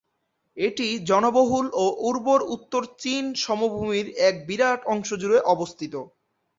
এটি জনবহুল ও উর্বর উত্তর চীন সমভূমির এক বিরাট অংশ জুড়ে অবস্থিত।